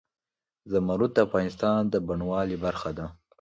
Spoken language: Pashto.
زمرد د افغانستان د بڼوالۍ برخه ده.